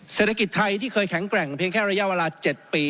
เศรษฐกิจไทยที่เคยแข็งแกร่งเพียงแค่ระยะเวลา๗ปี